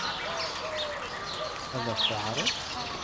Ad ɣ-t-teɛṛeḍ?